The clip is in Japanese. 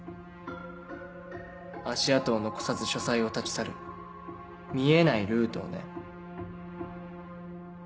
足跡を残さず書斎を立ち去る見えないルートをね。